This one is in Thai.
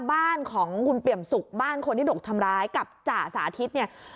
บ้านของคุณเปี่ยมสุกบ้านคนที่ดกทำร้ายกับจ่าสาธิตเนี่ย